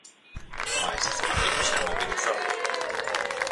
Mais desde Madrid fixeron ouvidos xordos.